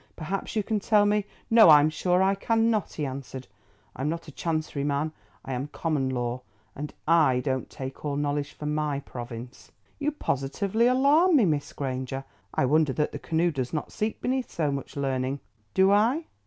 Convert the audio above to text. Perhaps you can tell me——" "No, I'm sure I cannot," he answered. "I'm not a Chancery man. I am Common law, and I don't take all knowledge for my province. You positively alarm me, Miss Granger. I wonder that the canoe does not sink beneath so much learning." "Do I?"